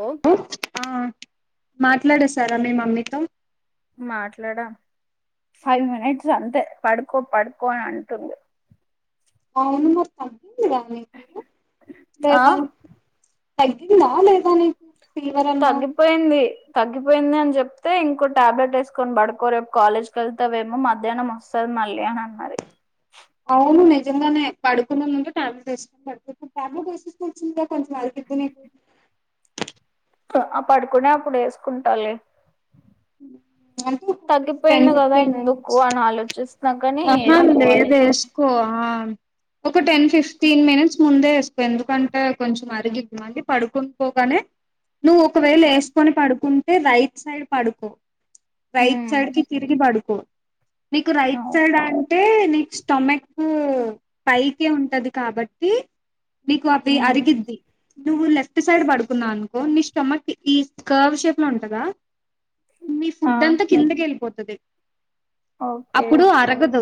ఓ ఆ మాట్లాడేసారా మీ మమ్మీతో మాట్లాడా ఫైవ్ మినిట్స్ అంతే పడుకో పడుకో అని అంటున్డు అవును మరి [inaudible] ఆ లేేద తగ్గిందా లేదా నీక్ ఫీవర్ అన్నవ్ పోయింది తగ్గిపోయింది అన్ చెప్తే ఇంకో టాబ్లెట్ ఏస్కోన్ పడుకో రేప్ కాలేజ్కెళ్తవేమో మధ్యాహ్నం వస్ మళ్ళీ అని అన్నది అవును నిజంగానే పడుకునేముందు టాబ్లెట్ యెస్కొని పడుకు [inaudible] క పడుకునే అప్పుడు యేసుకుంటాలె ఉ తగ్గిపోయింది కదా ఎందుకు అని ఆలోచిస్తున్నా కాని ఆహా వేసుకోవాలి లేదే కొ ఆ ఒక టెన్ ఫిఫ్టీన్ మినిట్స్ ముందే వేసుకో ఎందుకంటే కొంచెం అరిగిద్ధి అంటే పడుకుని పోగానే నువ్వు ఒకవేళ యేసుకొని పడుకుంటే రైట్ సైడ్ పడుకో రైట్ సైడ్ కి తిరిగి బడుకో మీకు రైట్ సైడ్ అంటే నెక్స్ట్ స్టమక్ పైకే ఉంటది కాబట్టి మీకు అది అరిగిది నువ్వు లెఫ్ట్ సైడ్ పడుకున్నా అనుకో నీ స్టమక్ ఈ కర్వ్ షేప్ లో ఉంటదా మీ ఆ ఫుడ్ అంతా కిందకి వెళ్ళిపోతది ఓకే అప్పుడు అరగదు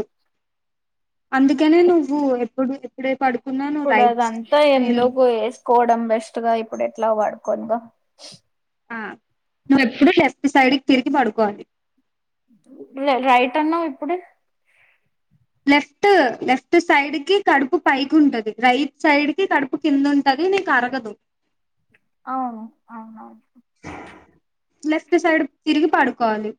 అందుకనే నువ్వు ఎప్పుడు ఎప్పుడే పడు ఇప్పుడు అదంతా ఎందుకు వేసుకోవడం బెస్ట్ గా ఇప్పుడు ఎట్లా పడుకోందో ఆ నువ్వెప్పుడు లెఫ్ట్ సైడ్ కి తిరిగి పడుకోవాలి రైట్ అన్నావు ఇప్పుడే లెఫ్ట్ లెఫ్ట్ సైడ్ కి కడుపు పైకి ఉంటది రైట్ సైడ్ కి కడుపు కింద ఉంటది నీకు అరగదు అవును అవునవును లెఫ్ట్ సైడ్కి తిరిగి పడుకోవాలి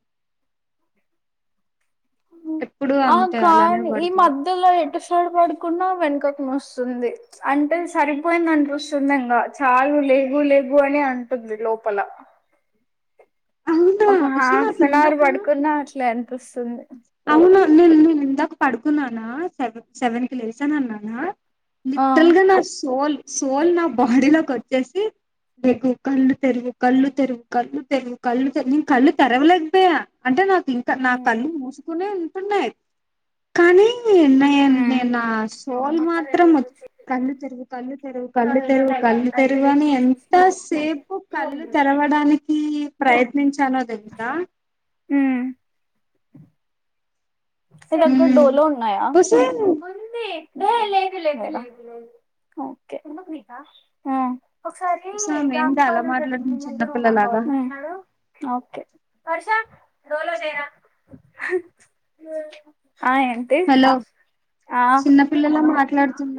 ఇప్పుడు అంతే అలానే పడుకోవాలి లో ఎటుసైడ్ పడుకున్నా వెనకకు నోస్తుంది అంటే సరిపోయింద అనిపిస్తుంది ఇంకా చాలు లేగు లేగు అని అంటుంది లోపల అవునా ఒక ఉషా హాఫ్ నాకు అన్ అవర్ ఇందాక పడుకున్నా అట్లే అనిపిస్తుంది అవునా నేను నేను ఇందాక పడుకున్నానా సెవ సెవెన్ కి లేసాన అన్నానా ఆ లిటరలు గా నా సోల్ సోల్ నా బాడీలోకి వచ్చేసి లెగు కళ్ళు తెరువు కళ్ళు తెరువు కళ్ళు తెరువు కళ్ళు తెరువు నేను కళ్ళు తెరవలేక పోయా అంటే నాకు ఇంకా నా ఉమ్ కళ్ళు మూసుకునే ఉంటున్నాయి కానీ నా నే నే ఉమ్ నా సోల్ మాత్రం కళ్ళు తెరువు కళ్ళు తెరువు కళ్ళు తెరువు కళ్ళు తెరువు అని ఎంత సేపు కళ్ళు తెరవడానికి ప్రయత్నించానో తెలుసా ఉం నీ దగ్గర డోలో ఉన్నాయా హుసేన్ ఉంది డోలో లేదు లే మేడం ఓకే ఒకసారి ఫ హుసామ్ ఏంటి [unintelligible] అలా కాాలంటడి మాట్లాడుతుంది మీను ఎందరుూ చిన్నపిల్లలాగా మాక్కవాలంటున్నాడు ఓకే వర్షా డోలో దేరా హాయ్ హలో చిన్నపిల్లల మాట్లాడుతున్న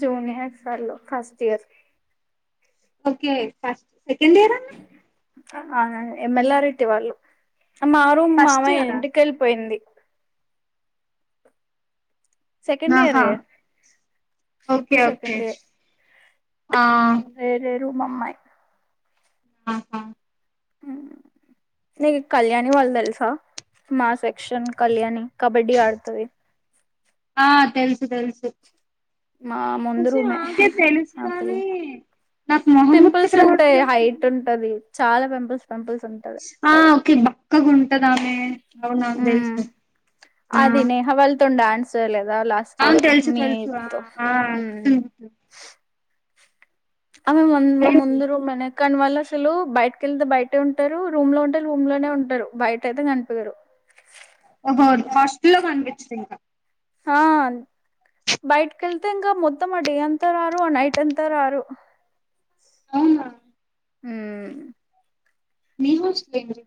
జూనియర్స్ వాళ్ళు first year okay first second year అన్నవ్ ఆ ఎమ్మెలారట్టి వాళ్ళు అమ్ మ్ ఫస్ట్ మామయ్య ఇయరా ఇంటికెళ్ళిపోయింది సెకండ్ ఇయర్ ఆహా ఓకే ఇప్పుడు ఓకే సెకండ్ ఇయర్ ఆ వేరే రూమ్ అమ్మాయి ఆహా నీకు కళ్యాణి వాళ్ళు తెలుసా మా సెక్షన్ కళ్యాణి కబడ్డీ ఆడుతది ఆ తెలుసు తెలుసు మా ముందు వష [unintelligible] రూమే అగే తెలుసు ఆ పిల్ల కానీ నాకు మొహం పింపుల్స్ గుర్తుకు ఉంటాయి రావట్లేదు హైట్ ఉంటది చాలా పెంపుల్ పెంపుల్స్ ఉంటాయి ఆ ఓకే బక్క గుంటదామే ఆమె నాకు తెలుసు నా ఆ వాళతో డాన్స్ ఏయ్ లేదా లాస్ట్ ఇయర్ తెలుసు తెలుసు ఆ మీతో ఆ గుర్తుంది గుర్తుంది అే మ ఏది? ముందరు మన [unintelligible] కాని వాళ్ళు అసలు బయటకిెళ్తే బయటే ఉంటారు రూమ్ లో ఉంటే రూమ్ లోనే ఉంటారు బయట అయితే కనిపియరు ఓహో ఫస్ట్ లో పంపిచిరు ఇంకా ఆ బయటకెళ్తే ఇంకా మొత్తం ఆ డే అంతా రారు ఆ నైట్ అంతా రారు అవునా ఊ అ మీఊల్స్ బేకరీ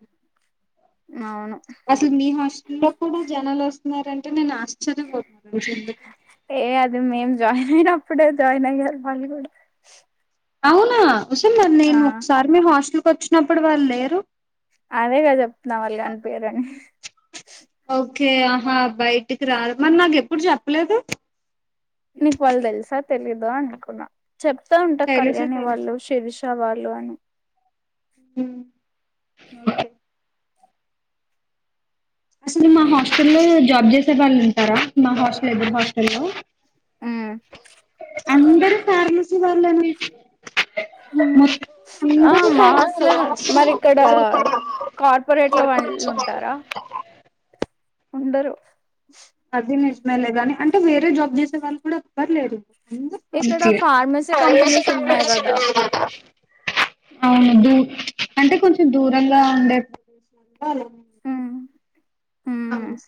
అవును అసలు మీ హాస్టల్లో కూడా జనాలు వస్తున్నారంటే నేను ఆశ్చర్యపోతున్న ఏ అది మేం జాయిన్ అయినప్పుడే జాయిన్ అయ్యారు వాళ్ళు కూడా అవునా ఒసే ఆ నేను ఒకసారి మీ హాస్టల్కి వచ్చినప్పుడు వాళ్ళు లేరు అదేగాద చెప్తున్నాం వాళ్ళు కనిపయరుని ఓకే ఆహా బయటికి రారు మరి నాకు ఎప్పుడు చెప్పలేదు నీకు వాళ్ళు తెలుసా తెలీదు అనుకున్నా చెప్తా ఉంటా తెలుసు కళ్యాణి తెలుసు వాళ్ళు శిరిష్ షా వాళ్ళు అని ఊ అసలు మా హాస్టల్ల్లో జాబ్ చేసే వాళ్ళు ఉంటారా మా హాస్టల్ ఎదురు హాస్టల్లో ఆ అందరు ఫార్మసి వాళ్ళేనే మాకు ఆ మా హాస్టల్ అందరు మరి ఇక్కడ కార్పొరేట్ లో వాళ్ళు ఉంటారా ఉండరు అది నిజమేలే గాని అంటే వేరే జాబ్ చేసే వాళ్ళు కూడా ఎవ్వుర్లేరు ఇక్కడ ఎందుకంటే ఫార్మసీ కంపెనీస్ ఉన్నాయి కదా అవును దూ అంటే కొంచెం దూరంగా ఉండే అలే ఉమ్ అ ఉమ్. స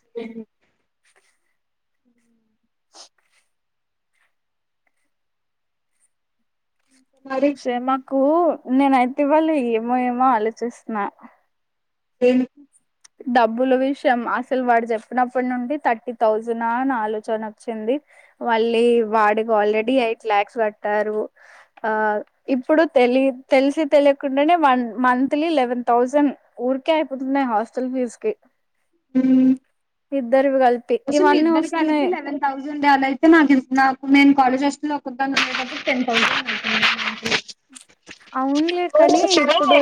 అ అే మాకు నేనయితే ఇవాళ ఏమో ఏమో ఆలోచిస్తున్నా దేని డబ్బుల విషయం అసలు వాడు చెప్పినప్పటి నుండి థర్టీ థౌజనా అని ఆలోచనోచ్చింది మళ్ళీ వాడికి ఆల్రెడీ ఎయిట్ ల్యాక్స్ కట్టారు ఆ ఇప్పుడు తెలి తెలిసి తెలియకుండానే వన్ మంత్లీ లెవెన్ థౌజండ్ ఊరికే అయిపోతున్నాయి హాస్టల్ ఫీజ్ కి ఉ ఇద్దరువి కలిపి ఇవన్నీ వస్తున్నాయి థౌజండ్ అలా అయితే నాకు నాకు నేను కాలేజ్ వస్లో ఒకద్దా కాబట్టి టెన్ థౌసండ్ అవుతు అవునులే కానీ ఇప్పుడు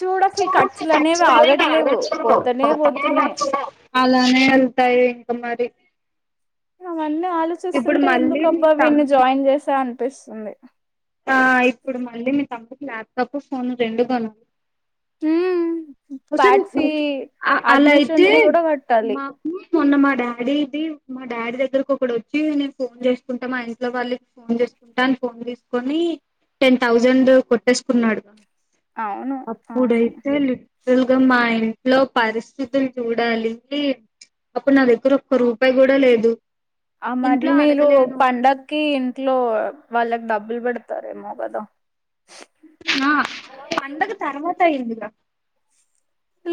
చూడు అసలు ఖర్చులు అనేవి ఆగట్లేవు పోతనే పోతున్నాయి మంత్లీ అలానే వెళ్తాయి ఇంకా మరి అవన్నీ ఇప్పుడు ఆలోచిస్తుంటే మళ్ళీ మీ ఎందుకుబ్బా వీన్ని తమ్ము జాయిన్ చేసా అనిపిస్తుంది ఆ ఇప్పుడు మళ్ళీ మీ తమ్ముకి ల్యాప్టాప్ ఫోన్ రెండు కొను ఊ అసలు ప్యాట్ ఫీ అ అలా అయితే అడ్మిషన్ ఫీ కూడా కట్టాలి మాకు మొన్న మా డాడీ ఇది మా డాడీ దగ్గరకు ఒకడొచ్చి నేను ఫోన్ చేసుకుంటా మా ఇంట్లో వాళ్ళ ఫోన్ చేసుకుంటాని ఫోన్ తీసుకొని టెన్ థౌజండ్ కొట్టేసుకున్నాడు అవును అవును అప్పుడైతే యల్గా మా ఇంట్లో పరిస్థితులు చూడాలి అప్పుడు నా దగ్గర ఒక్క రూపాయి కూడా లేదు ఆ మరి ఇంట్లో మీలు అడగలేను పండగకి ఇంట్లో వాళ్ళకి డబ్బులు పెడతారేమో కదా. ఆ పండగ తర్వాత అయ్యింది గా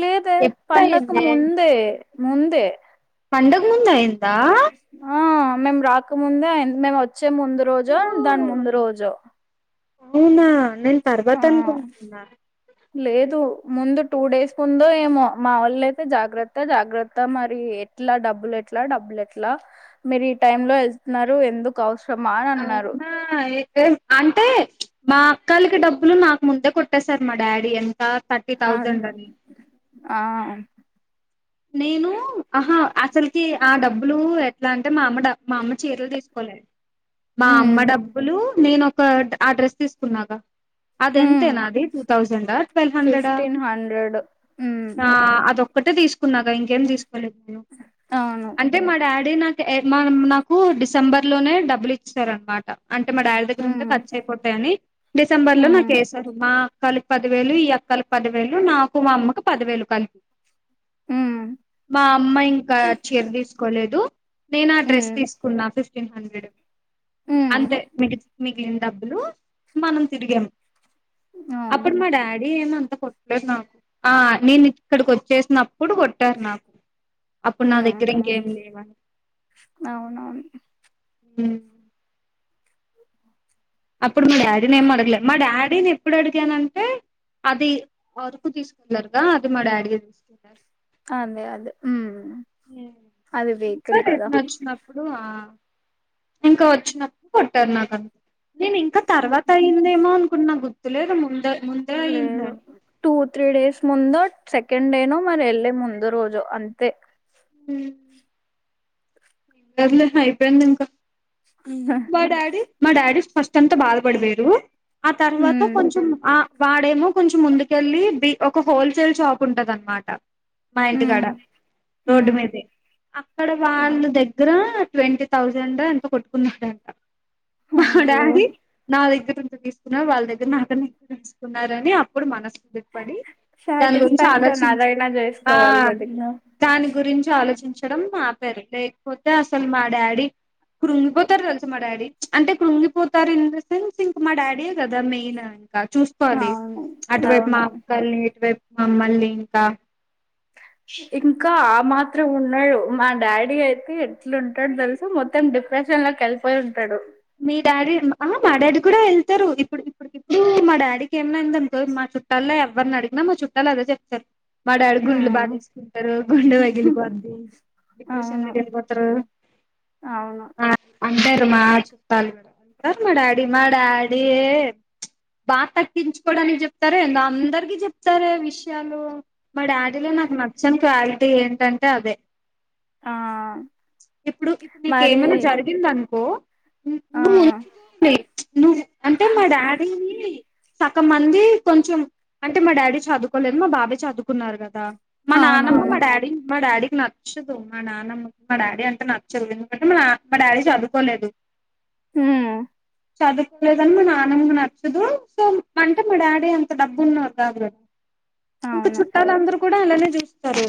లేదే పండకు అయిందే ముందే ముందే పండగ్ ముందు అయ్యిందా ఆ మేము రాకముందే అయి మేము వచ్చే ముందు రోజో, దాని ఓ ముందు రోజో. అవునా నేను తర్వత ఆ అనుకుంటున్నా లేదు ముందు టూ డేస్ ముందు ఏమో మా వాళ్ళ అయితే జాగ్రత్త, జాగ్రత్త మరి. ఎట్లా డబ్బులు ఎట్లా డబ్బులు ఎట్లా, మీరు ఈ టై లో వెళుతున్నారు ఎందు. కవసరమా అని అన్నారు ఆ ఏ అంటే మా అక్కలకి డబ్బులు, నాకు ముందే కొట్టేసారు మా డాడీ అన్. తా థర్టీ ఆ థౌజండ్ అని ఆ నేను ఆహా అసలకి ఆ డబ్బులు ఎట్లా అంటే, మా అమ్మ డ మా అమ్మ చీరలు తీసుకోలే. మా అమ్మ ఉమ్ డబ్బులు నేను ఒక ఆ డ్రెస్ తీసుకున్నాగా అది ఉమ్ ఎంతేనా అది టూ థౌజండ్ ఆ, ట్వెల్వ్ హండ్రెడ్ ఆ. ఫిఫ్టీన్ హండ్రెడ్ ఉమ్ ఒక్కటే తీసుకున్నాగా ఇంకేం తీసుకోలేదు అవును అంటే మా డాడీ నాకు ఏ మా నాకు డిసెంబర్ లోనే డబ్బులు ఇచ్చారు అనమాట. అంటే మా డాడ్ దగ్గర ఉంటే ఉమ్ ఖర్చు అయిపోతాయని. డిసెంబర్ లో ఉమ్ నాకు వేసారు. మా అక్కకి పదివేలు, ఈ అక్కకి పదివేలు, నాకు మా అమ్మకు పదివేలు కలిప్. హూ మా అమ్మా ఇంకా చీర తీసుకోలేదు, నేను ఆ డ్రెస్ తీసుకున్నా ఫిఫ్టీన్ హండ్రెడ్. ఉమ్ ఉమ్ అంతే మిగ్ మిగిలిన డబ్బులు మనం తిరిగాం అవును అప్పుడు మా డాడీ ఏమంతా కొట్టలేదు నాకు ఆ నేను ఇక్కడికి వచ్చేసినప్. ప్పుడు కొట్టారు నా హ్ అప్పుడు దగ్గర హు ఇంకేం లేవని అవునవును హ్ అప్పుడు మా డాడీ నీ ఏం అడగలే మా డాడీని ఎప్పుడు అడిగానంటే అది అరకు తీసుకున్నారుగా అది మా డాడీ ఏ తీస్ అదే అదే ఉమ్ అది ఇంక వెహికల్ కదా రిటర్న్ వచ్చినా ఇంకా వచ్చినప్పుడు కొట్టారు నాకన్ నేను ఇంకా తర్వాత అయ్యిందేమో అనుకున్నా గుర్తులేదు ముందే ముందే లేదు అయ్యిందన్. టూ, త్రీ డేస్ ముందు సెకండ్ డే నో మరి వెళ్ళే ముందు రోజో అంతే. హ్ సర్లే అయిపోయింది ఇంకా ఇ హా మా డాడీ మా డాడీ ఫస్ట్ అంత బాధపడిపోారు ఆ తర్వాత హ్మ్ కొంచెం ఆ వాడేమో కొంచెం ముందుకెళ్ళి బి ఒక హోల్సేల్ షాప్ ఉంటది అనమాట. మా ఇంటికాడ హ్మ్ రోడ్డు హ్మ్ మీదే అక్కడ వాళ్ళ దగ్గర ట్వంటీ థౌజండ్ ఏ అంత కొట్టుకున్నట్డ ఆ మా అయ్యో డాడీ నా దగ్గర నుంచి తీసుకున్నారు, వాళ్ళ దగ్గర నాకన్న ఎక్కువే తీుసుకున్నారని అప్పుడు మనస్. దాని గురించి సాటిస్ఫాక్షన్ ఆలోచించి అదైనా చేసుకోవాలి కదా ఇంగ దాని గురించి ఆలోచించడం ఆపారు లేకపోతే అసలు మా డాడీ కృంగిపోతరు మా డాడీ అంటే కృంగిపోతారు ఇన్ నోసెన్స్ ఇంకా మా డాడీయే కదా మెయిన్ ఇంకా చూస్ ది అవును అటువైపు మా అవును అక్కల్ని ఇటువైపు మా మమ్మల్ని ఇంకా ష్ ఇంకా ఆ మాత్రం ఉన్నాడు మా డాడీ అయితే ఎట్లుంటాడు తెలుసా మొత్తం డిప్రెషన్ లో కలిసి పోయింటాడు మీ డాడీ ఆ మా డాడీ కూడా వెళ్తారు ఇప్పుడు ఇప్పుడు ఇప్పుడు మా డాడీకి ఏమన్నా అయింది అనుకో మా చుట్టాల్లో ఎవరిని అడిగినా మా చుట్టాలు అదే చెప్తారు మా డాడి గుండెలు హ్మ్ బాదేసుకుంటారు గుండె పగిలిపొద్ది డిప్రెషన్ లో అవును వెళ్ళిపోతారు అవును అంటారు మా చు మా డాడీ మా డాడీ ఏ బాద తగ్గించుకోవడానికి చెప్తారే ఏందో అందరికి చెప్తారే విషయాలు మా డాడీలో నాకు నచ్చందీ క్వాలిటీ ఏంటంటే అదే ఆ ఇప్పుడు ఇప్పుడు నీకు మరి ఏమైన్న జరిగింది అనుకో ఆ ఆ నువ్వు అంటే మా డాడీని సకం మంది కొంచెం అంటే మా డాడీ చదువుకోలేదు మా బాబాయ్ చదువుకున్నారు కదా మా నానమ్మ మా అవునవును డాడీ నీ మా డాడీకి నచ్చదు మా నాన్నమ్మ మా డాడీ అంటే నచ్చదు ఎందుకంటే మా నా మా డాడీ చదువుకోలేదు హు ఆ చదువుకోలేదని మా నానమ్మ కి నచ్చదు సో అంటే మా డాడీ అంత డబ్బు ఉన్నోడు కాదు కదా ఇంకా అవును చుట్టాలందరు కూడా అలానే చూస్తారు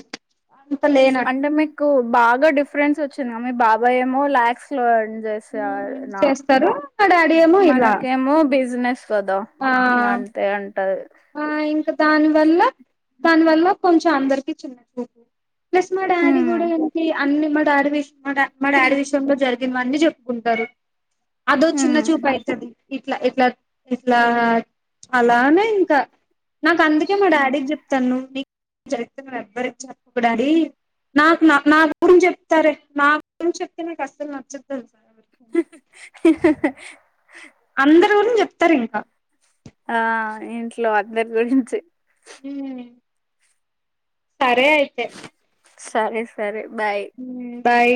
అంత లేనట్టు అంటే మీకు బాగా డిఫరెన్స్ వచ్చింది మీ బాబాయ్ ఏమో ల్యాక్స్ లో ఎర్న్ చేస్త సాల్ నా చేస్తారు మా డాడీ ఏమో ఇలా మనకేమో బిజినెస్ కదా ఇగా ఆ అంతే ఉంటది ఆ ఇంకా దాని వల్ల దాని వల్ల కొంచెం అందరికి చిన్న చూపు ప్లస్ మా డాడీ ఉమ్ కూడా ఏంటి అన్ని మా డాడీ విష్ మా మా డాడీ విష్ లో జరిగినవన్నీ చెప్పుకుంటారు అదో చిన్న ఉమ్ చూపు అయతది ఇట్లా ఇట్లా ఇట్లా అలానే ఇంకా నాకు అందుకే మా ఆ డాడీకి చెప్తాను నీకు చెప్తే నువ్వు ఎవ్వరి చెప్పకు డాడీ నాకు నా నా గురించి చెప్తారే నా గురించి చెప్తే నాకు అస్సలు నచ్చదు తెలుసా ఎవరికైనా, అందరు గురించి చెప్తారు ఇంకా ఆ ఇంట్లో అందరి గురించి ఉ సరే అయితే సరే సరే బాయ్ ఉమ్ బాయ్